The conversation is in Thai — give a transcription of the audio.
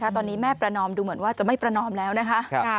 ตอนนี้แม่ประนอมดูเหมือนว่าจะไม่ประนอมแล้วนะคะ